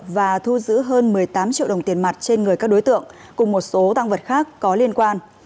và thu giữ hơn một mươi tám triệu đồng tiền mặt trên người các đối tượng cùng một số tăng vật khác có liên quan